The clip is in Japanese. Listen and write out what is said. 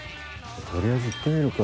とりあえず行ってみるか。